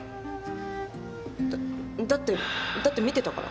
だっだってだって見てたから。